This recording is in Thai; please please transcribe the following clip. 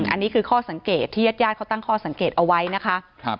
อันนี้คือข้อสังเกตที่ญาติญาติเขาตั้งข้อสังเกตเอาไว้นะคะ